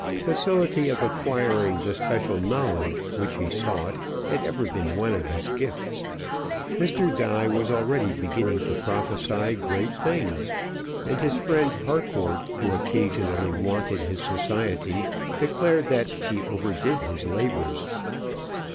Facility of acquiring the special knowledge which he sought had ever been one of his gifts. Mr. Die was already beginning to prophesy great things; and his friend Harcourt, who occasionally wanted his society, declared that he overdid his labours.